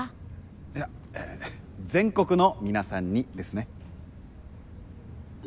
いや「全国の皆さんに」ですね。